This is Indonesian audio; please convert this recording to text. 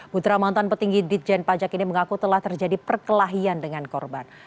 putra mantan petinggi ditjen pajak ini mengaku telah terjadi perkelahian dengan korban